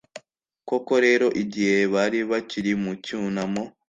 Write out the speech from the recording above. Koko rero, igihe bari bakiri mu cyunamo